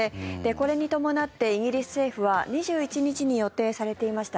これに伴ってイギリス政府は２１日に予定されていました